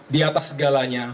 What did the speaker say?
di atas segalanya